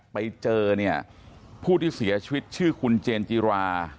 ไปเจอเนี่ยผู้ที่เสียชีวิตชื่อคุณเจนจิรา